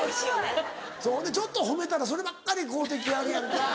そうほんでちょっと褒めたらそればっかり買うて来はるやんか。